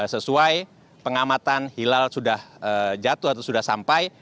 sesuai pengamatan hilal sudah jatuh atau sudah sampai